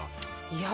いや。